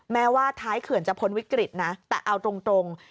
แม้ว่าท้ายเขื่อนจะพ้นวิกฤตนะแต่เอาตรง